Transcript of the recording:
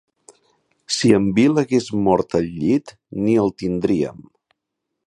Si en Bill hagués mort al llit, ni el tindríem.